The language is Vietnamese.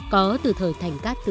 có từ thời thành các từ hán